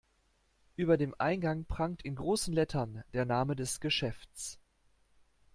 Über dem Eingang prangt in großen Lettern der Name des Geschäfts.